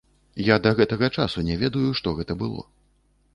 Я да гэтага часу не ведаю, што гэта было.